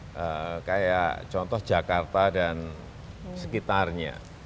kayak contoh jakarta dan sekitarnya